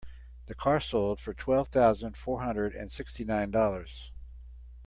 The car sold for twelve thousand four hundred and sixty nine dollars.